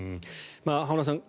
浜田さん